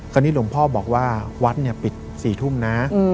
คราวนี้หลวงพ่อบอกว่าวัดปิด๔ทุ่มนะ